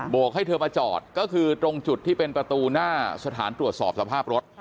กให้เธอมาจอดก็คือตรงจุดที่เป็นประตูหน้าสถานตรวจสอบสภาพรถ